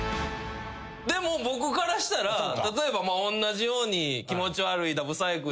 でも僕からしたら例えばおんなじように気持ち悪いだ不細工だ。